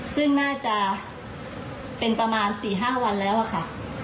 ซึ่งน่าจะเป็นประมาณ๔๕วันแล้วอะค่ะ